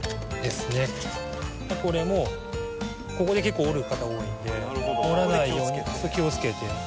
これもここで結構折る方が多いので折らないように気をつけて。